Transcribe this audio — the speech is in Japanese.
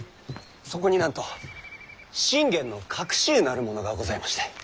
そこになんと信玄の隠し湯なるものがございまして。